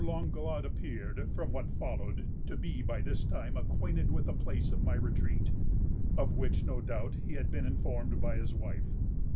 Langlade appeared, from what followed, to be, by this time, acquainted with the place of my retreat; of which, no doubt, he had been informed by his wife.